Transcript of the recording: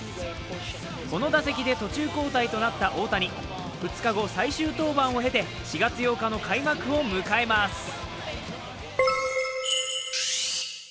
この打席で途中交代となった大谷、２日後、最終登板を経て４月８日の開幕を迎えます。